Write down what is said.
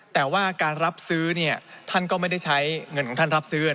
แต่ว่าการรับซื้อท่านก็ไม่ได้ใช้เงินของท่านรับซื้อ